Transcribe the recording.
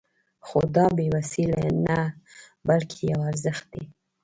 خو دا بې وسي نه بلکې يو ارزښت دی.